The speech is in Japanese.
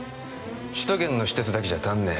首都圏の私鉄だけじゃ足んねえ